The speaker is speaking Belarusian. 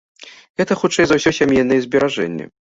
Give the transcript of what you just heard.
Гэта хутчэй за ўсё сямейныя зберажэнні.